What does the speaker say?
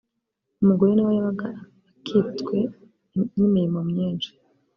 umugore nawe yabaga akitswe n’imirimo myinshi